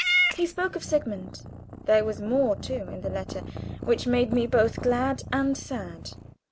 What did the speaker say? He spoke of Sigmund. There was more, too, in the letter, which made me both glad and sad.